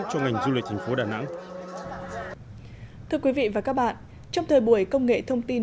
cho ngành du lịch thành phố đà nẵng thưa quý vị và các bạn trong thời buổi công nghệ thông tin